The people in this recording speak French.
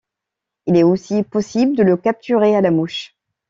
Il est aussi possible de le capturer à la mouche.